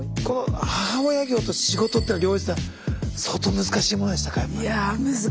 この母親業と仕事っての両立っていうのは相当難しいものでしたか？